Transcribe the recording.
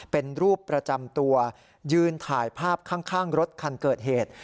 เป็นรูปประจำตัวยืนถ่ายภาพข้างรถคันเกิดเหตุ